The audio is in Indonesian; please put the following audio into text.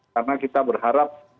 karena kita berharap